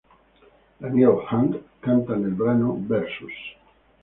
Daniel Hunt canta nel brano "Versus".